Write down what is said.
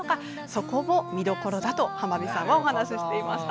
そこも見どころだと浜辺さんはお話ししていました。